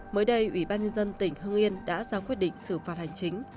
mới đây ủy ban nhân dân tỉnh hưng yên đã ra quyết định xử phạt hành chính